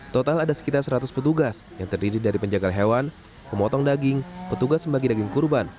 total ada sekitar seratus petugas yang terdiri dari penjagal hewan pemotong daging petugas membagi daging kurban